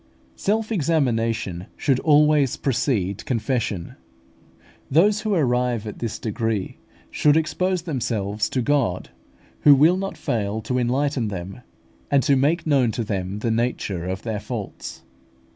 Self examination should always precede confession. Those who arrive at this degree should expose themselves to God, who will not fail to enlighten them, and to make known to them the nature of their faults.